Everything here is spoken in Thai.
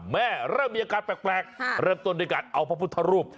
เริ่มมีอาการแปลกเริ่มต้นด้วยการเอาพระพุทธรูป